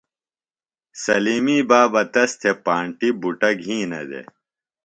سلِیمی بابہ تس تھےۡ پانٹیۡ بُٹہ گِھینہ دےۡ۔